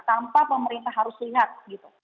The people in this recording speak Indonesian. tanpa pemerintah harus lihat gitu